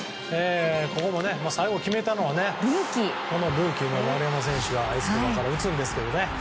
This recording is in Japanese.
ここも最後決めたのはルーキーの丸山選手が打つんですけどね。